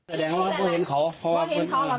แสดงว่าเพราะเห็นเขาเพราะเห็นเขาหลังนอนอยู่นี่